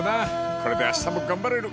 ［これであしたも頑張れる。